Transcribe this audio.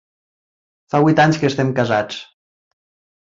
Fa vuit anys que estem casats.